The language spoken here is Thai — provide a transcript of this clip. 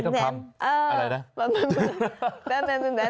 ไถม์ทำคำ